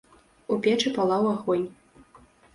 У печы палаў агонь.